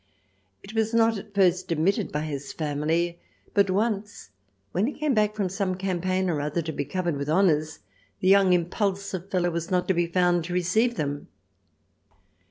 It was not at first admitted by his family, but once when he came back from some campaign or other to be covered with honours, the young impulsive fellow was not to be found to receive them.